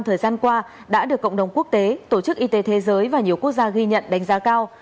thời gian qua đã được cộng đồng quốc tế tổ chức y tế thế giới và nhiều quốc gia ghi nhận đánh giá cao